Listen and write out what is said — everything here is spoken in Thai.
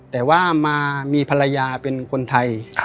แต่ว่ามามีภรรยาเป็นคนไทย